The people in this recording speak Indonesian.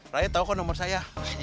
rakyat tau kok nomor saya